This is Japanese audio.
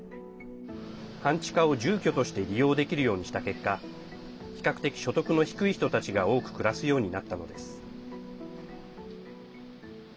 半地下を住居として利用できるようにした結果比較的、所得の低い人たちが多く暮らすようになったのです。